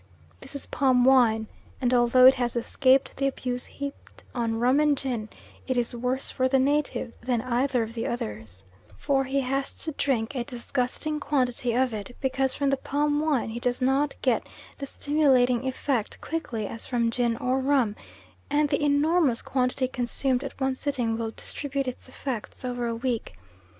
This is palm wine, and although it has escaped the abuse heaped on rum and gin, it is worse for the native than either of the others, for he has to drink a disgusting quantity of it, because from the palm wine he does not get the stimulating effect quickly as from gin or rum, and the enormous quantity consumed at one sitting will distribute its effects over a week.